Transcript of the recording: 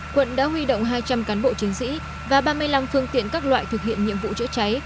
quận đã huy động hai trăm linh cán bộ chiến sĩ và ba mươi năm phương tiện các loại thực hiện nhiệm vụ chữa cháy